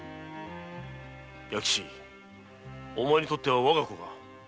弥吉お前にとってはわが子が。